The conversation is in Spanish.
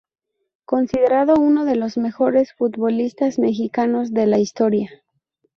Considerado uno de los mejores futbolistas mexicanos de la historia.